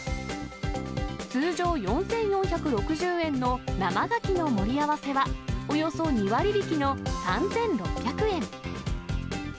通常４４６０円の生ガキの盛り合わせは、およそ２割引きの３６００円。